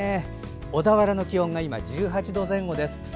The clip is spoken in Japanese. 小田原の気温が今１８度前後です。